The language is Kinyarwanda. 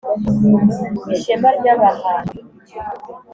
ishema ry’abahanzi